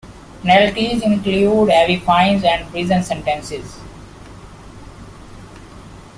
Penalties include heavy fines and prison sentences.